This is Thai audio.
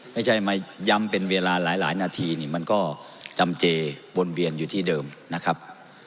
ไม่ใช่มาย้ำเป็นเวลาหลายนาทีนี่มันก็จำเจบนเวียนอยู่ที่เดิมนะครับ